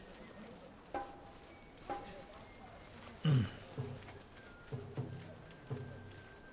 うん。